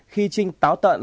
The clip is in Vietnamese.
khi trinh táo tận